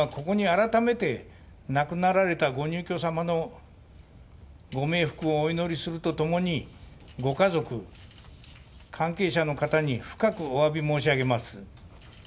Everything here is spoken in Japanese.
当法人はここに改めて、亡くなられた方のご冥福をお祈りするとともにご家族、関係者の方に深くおわび申し上げます。